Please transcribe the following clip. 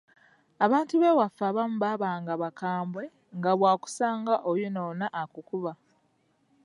Abantu b’ewaffe abamu baabanga bakambwe nga bw’akusanga oyonoona akukuba.